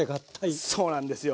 そうなんですよ。